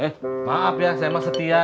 eh maaf ya saya emang setia